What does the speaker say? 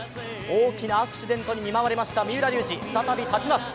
大きなアクシデントに見舞われました三浦龍司、再び立ちます。